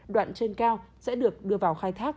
đoạn trên cao sẽ được đưa vào khai thác